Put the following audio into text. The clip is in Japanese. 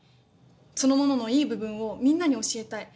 そのもののいい部分をみんなに教えたい。